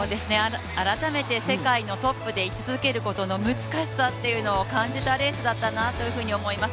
改めて世界のトップで居続けることに難しさというのを感じたレースだったなというふうに思います。